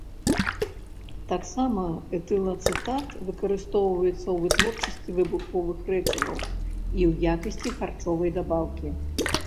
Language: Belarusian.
Таксама этылацэтат выкарыстоўваецца ў вытворчасці выбуховых рэчываў і ў якасці харчовай дабаўкі.